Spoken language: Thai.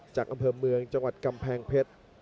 จากอำเภอเมืองจังหวัดกำแพงเพชร